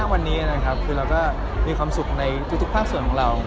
วันนี้นะครับคือเราก็มีความสุขในทุกภาคส่วนของเรา